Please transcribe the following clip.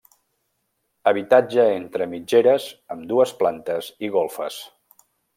Habitatge entre mitgeres amb dues plantes i golfes.